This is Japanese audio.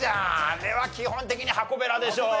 あれは基本的にはこべらでしょう。